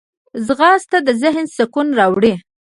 ځغاسته د ذهن سکون راوړي